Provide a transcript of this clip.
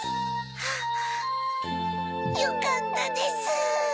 ハッよかったです。